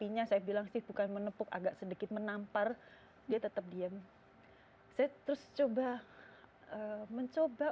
kakinya saya bilang sih bukan menepuk agak sedikit menampar dia tetap diam saya terus coba mencoba